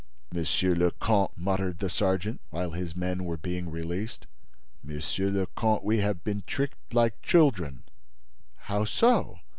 "Monsieur le Comte," muttered the sergeant, while his men were being released; "Monsieur le Comte, we have been tricked like children." "How so?"